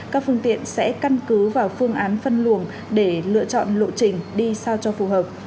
các phương tiện sẽ căn cứ vào phương án phân luồng để lựa chọn lộ trình đi sao cho phù hợp